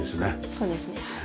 そうですねはい。